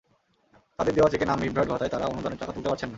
তাদের দেওয়া চেকে নামবিভ্রাট ঘটায় তারা অনুদানের টাকা তুলতে পারছে না।